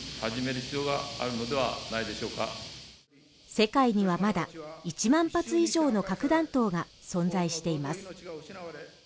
世界にはまだ１万発以上の核弾頭が存在しています。